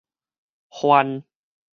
梵